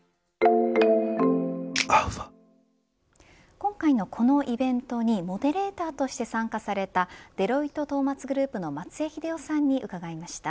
今回のこのイベントにモデレーターとして参加されたデロイトトーマツグループの松江英夫さんに伺いました。